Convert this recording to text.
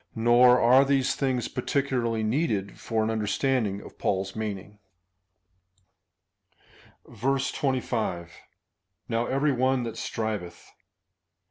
Nor are these things particularly needed for understanding Paul's meaning. 25. Now every one that striveth.